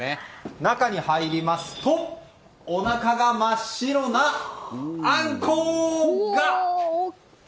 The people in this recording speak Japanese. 中に入りますとおなかが真っ白なあんこうが。